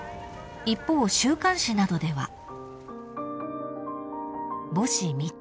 ［一方週刊誌などでは］